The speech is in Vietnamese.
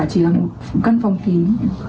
chỉ là một căn phòng kín